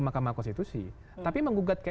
mahkamah konstitusi tapi mengugat ke